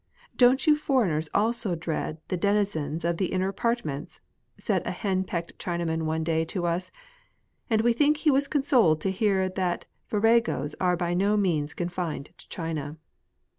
" Don't you foreigners also dread the deni zens of the inner apartments ?" said a hen pecked Chinaman one day to us — and we think he was con soled to hear that viragos are by no means confined to China.